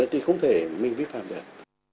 thì không thể mình vi phạm được